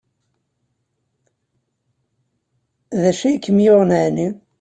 D acu ay kem-yuɣen ɛni?